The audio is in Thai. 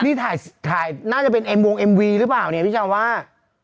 นี่ถ่ายน่าจะเป็นเอ็มวงเอ็มวีหรือเปล่าเนี่ยพี่ชาวว่า